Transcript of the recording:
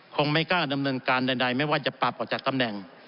คงไม่กล้าดำเนินการใดไม่ว่าจะปรับออกจากตำแหน่ง